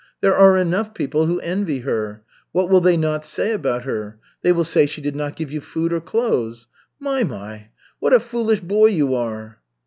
There are enough people who envy her. What will they not say about her? They will say she did not give you food or clothes. My, my, what a foolish boy you are!"